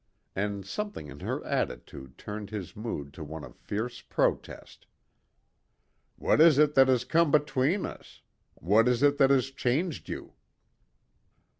And something in her attitude turned his mood to one of fierce protest. "What is it that has come between us? What is it that has changed you?"